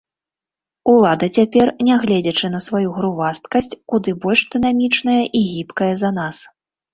Улада цяпер, нягледзячы на сваю грувасткасць, куды больш дынамічная і гібкая за нас.